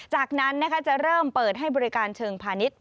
จากนั้นจะเริ่มเปิดให้บริการเชิงพาณิชย